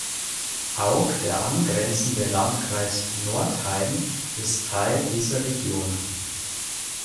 Auch der angrenzende Landkreis Northeim ist Teil dieser Region.